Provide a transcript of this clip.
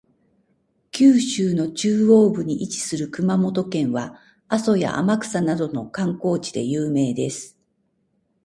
九州の中央部に位置する熊本県は、阿蘇や天草などの観光地で有名です。